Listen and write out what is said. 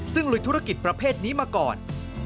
ซึ่งลุยธุรกิจประเภทนี้มาก่อน